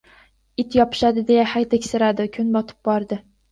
It yopishadi, deya hadiksiradi. Kun botib bordi.